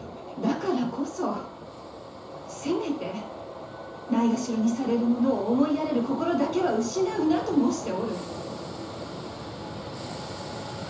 だからこそせめてないがしろにされる者を思いやれる心だけは失うなと申しておる。